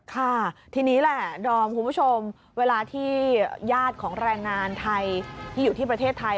ค่ะทีนี้แหละดอมคุณผู้ชมเวลาที่ญาติของแรงงานไทยที่อยู่ที่ประเทศไทย